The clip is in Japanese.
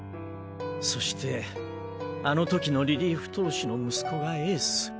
そしてあの時のリリーフ投手の息子がエース。